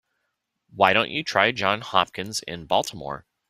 Why don't you try Johns Hopkins in Baltimore?